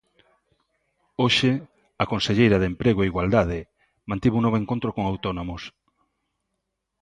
Hoxe a conselleira de Emprego e Igualdade mantivo un novo encontro con autónomos.